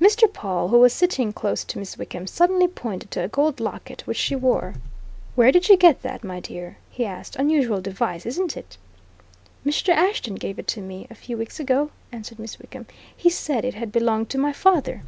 Mr. Pawle, who was sitting close to Miss Wickham, suddenly pointed to a gold locket which she wore. "Where did you get that, my dear?" he asked. "Unusual device, isn't it?" "Mr. Ashton gave it to me, a few weeks ago," answered Miss Wickham. "He said it had belonged to my father."